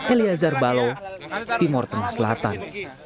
elia zarbalo timur tengah selatan